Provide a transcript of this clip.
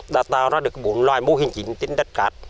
đã tạo ra được bốn loài mô hình chính trên đất cát